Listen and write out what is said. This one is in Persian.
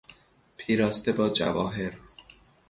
پیراسته با جواهر